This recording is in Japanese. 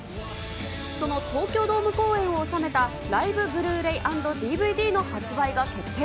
その東京ドーム公演を収めたライブブルーレイ＆ＤＶＤの発売が決定。